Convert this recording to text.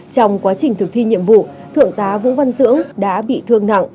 trong quá trình thực thi nhiệm vụ thượng tá vũ văn dưỡng đã bị thương nặng